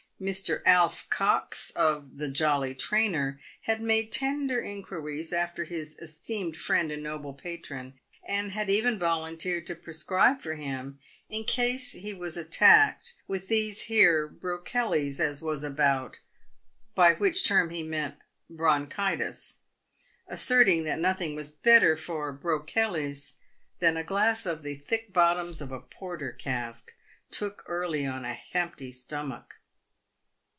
Mr. Alf Cox, of the "Jolly Trainer," had made tender inquiries after his " esteemed friend and noble patron," and had even volunteered to prescribe for him " in case he was at tacked with these here brokelis as was about" (by which term he meant bronchitis), asserting that nothing was better for brokelis than a glass of the thick bottoms of a porter cask, took early on a hempty "stomick."